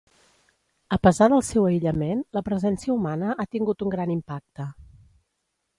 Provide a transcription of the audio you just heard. A pesar del seu aïllament, la presència humana ha tingut un gran impacte.